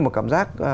một cảm giác